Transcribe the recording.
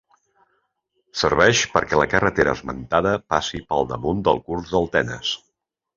Serveix perquè la carretera esmentada passi per damunt del curs del Tenes.